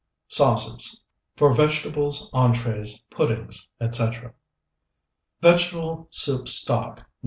SAUCES For Vegetables, Entrees, Puddings, Etc. VEGETABLE SOUP STOCK NO.